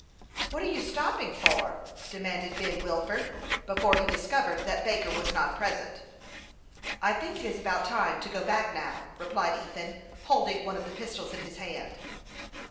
"What are you stopping for.?" demanded Ben Wilford, before he discovered that Baker was not present. " I think it is about time to go back, now," replied Ethan, holding one of the pistols in his hand.